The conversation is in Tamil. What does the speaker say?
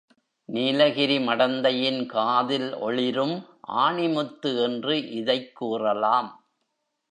நீலகிரி மடந்தையின் காதில் ஒளிரும் ஆணிமுத்து என்று இதைக் கூறலாம்.